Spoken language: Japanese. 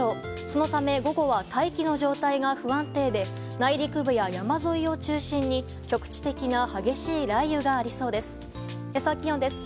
そのため午後は大気の状態が不安定で内陸部や山沿いを中心に局地的な激しい雷雨がありそうです。